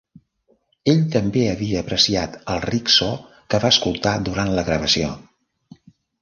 Ell també havia apreciat el ric so que va escoltar durant la gravació.